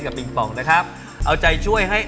ปิงปองนะครับเอาใจช่วยให้